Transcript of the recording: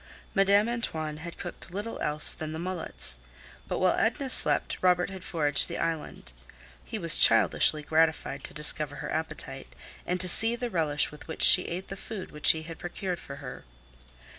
Madame Antoine had cooked little else than the mullets, but while Edna slept Robert had foraged the island. He was childishly gratified to discover her appetite, and to see the relish with which she ate the food which he had procured for her.